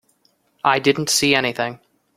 I didn't see anything.